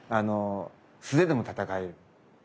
素手でも戦える。